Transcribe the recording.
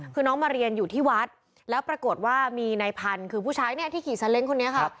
คือน้องมาเรียนอยู่ที่วัดแล้วปรากฏว่ามีนายพันธุ์คือผู้ชายเนี่ยที่ขี่ซาเล้งคนนี้ค่ะ